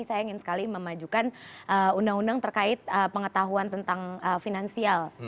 saya ingin sekali memajukan undang undang terkait pengetahuan tentang finansial